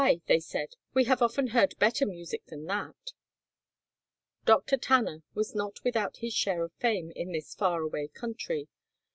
"Why," they said, "we have often heard better music than that." Dr. Tanner was not without his share of fame in this far away country.